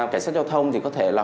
cảnh sát giao thông thì có thể là